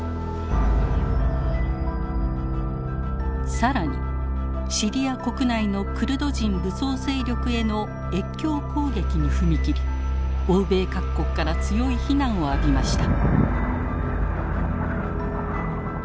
更にシリア国内のクルド人武装勢力への越境攻撃に踏み切り欧米各国から強い非難を浴びました。